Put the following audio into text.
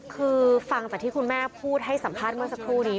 คือฟังจากที่คุณแม่พูดให้สัมภาษณ์เมื่อสักครู่นี้